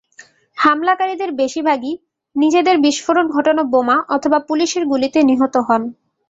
হামলাকারীদের বেশির ভাগই নিজেদের বিস্ফোরণ ঘটানো বোমা অথবা পুলিশের গুলিতে নিহত হন।